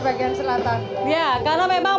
bagian selatan ya karena memang